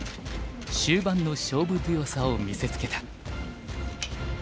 終盤の勝負強さを見せつけた。